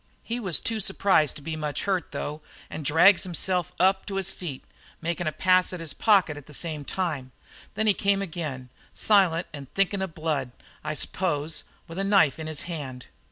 "He was too surprised to be much hurt, though, and drags himself up to his feet, makin' a pass at his pocket at the same time. Then he came again, silent and thinkin' of blood, I s'pose, with a knife in his hand.